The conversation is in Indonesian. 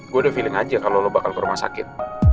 gue udah feeling aja kalau lo bakal ke rumah sakit